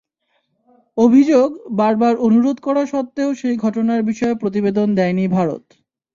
অভিযোগ, বারবার অনুরোধ করা সত্ত্বেও সেই ঘটনার বিষয়ে প্রতিবেদন দেয়নি ভারত।